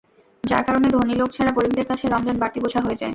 যার কারণে ধনী লোক ছাড়া গরিবদের কাছে রমজান বাড়তি বোঝা হয়ে যায়।